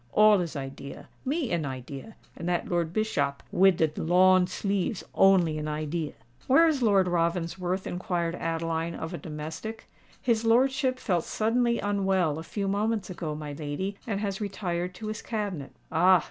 All is idea—me an idea—and dat Lord Bischop wid de lawn sleeves only an idea." "Where is Lord Ravensworth?" inquired Adeline of a domestic. "His lordship felt suddenly unwell a few moments ago, my lady, and has retired to his cabinet." "Ah!